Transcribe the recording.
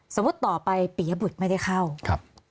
สมมุติต่อไปเปียบุตรไม่ได้เข้า